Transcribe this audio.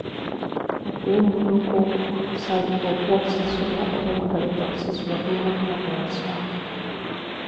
Okuwummula okwokusasulwa oba okutali kwa kusasulwa kulina okuba kwa nsonga.